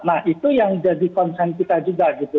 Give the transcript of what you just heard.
nah itu yang jadi concern kita juga gitu